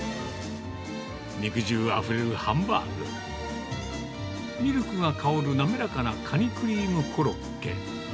肉汁あふれるハンバーグ、ミルクが香る滑らかなカニクリームコロッケ。